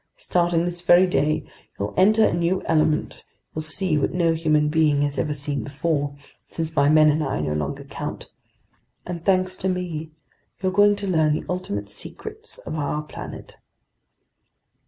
Starting this very day, you'll enter a new element, you'll see what no human being has ever seen before—since my men and I no longer count—and thanks to me, you're going to learn the ultimate secrets of our planet."